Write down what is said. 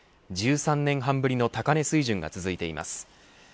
十数年半ぶりの高値水準が続いてます。